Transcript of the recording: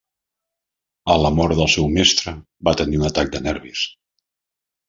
A la mort del seu mestre, va tenir un atac de nervis.